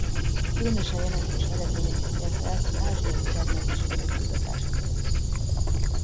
Különösen jelentős eredményeket ért el az ázsiai termelési mód kutatása terén.